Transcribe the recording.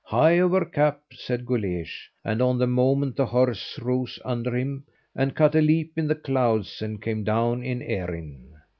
"Hie over cap!" said Guleesh; and on the moment the horse rose under him, and cut a leap in the clouds, and came down in Erin.